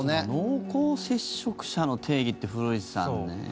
この濃厚接触者の定義って古市さんね。